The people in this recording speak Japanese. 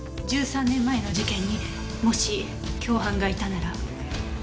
１３年前の事件にもし共犯がいたなら。